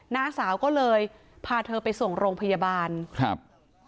น้าสาวก็เลยพาเธอไปส่งโรงพยาบาลครับ